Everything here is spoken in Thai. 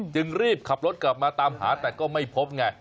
จึงรีบขับรถกลับมาตามหาแต่ก็ไม่พบไง